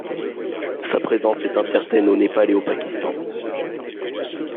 Sa présence est incertaine au Népal et au Pakistan.